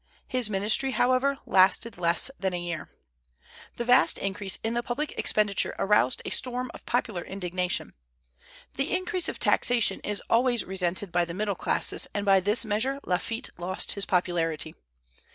His ministry, however, lasted less than a year. The vast increase in the public expenditure aroused a storm of popular indignation. The increase of taxation is always resented by the middle classes, and by this measure Lafitte lost his popularity.